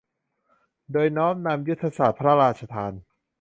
โดยน้อมนำยุทธศาสตร์พระราชทาน